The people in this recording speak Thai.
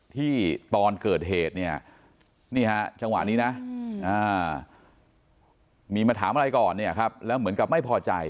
ที่ตอนเกิดเหตุจังหวะนี้มีมาถามอะไรก่อนแล้วเหมือนกับไม่พอใจ